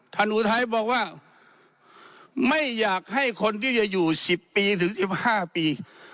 ท่านดูทัยพิมพ์บอกว่าไม่อยากให้คนที่จะอยู่๑๐ปีถึง๑๕ปี